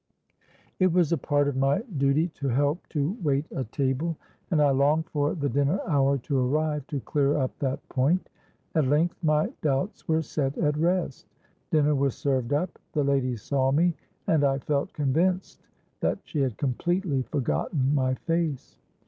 "It was a part of my duty to help to wait at table; and I longed for the dinner hour to arrive, to clear up that point. At length my doubts were set at rest;—dinner was served up—the lady saw me; and I felt convinced that she had completely forgotten my face.